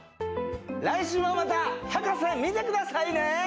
来週もまた『博士』見てくださいね。